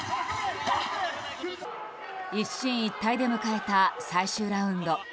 一進一退で迎えた最終ラウンド。